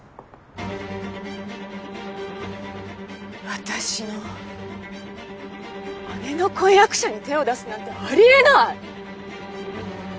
私の姉の婚約者に手を出すなんてありえない！